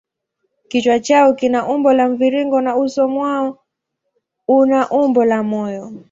Kichwa chao kina umbo la mviringo na uso mwao una umbo la moyo.